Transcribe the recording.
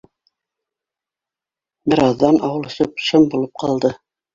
Бер аҙҙан ауыл шып-шым булып ҡалды.